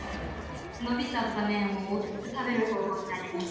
のびちゃった麺をおいしく食べる方法ってありますか？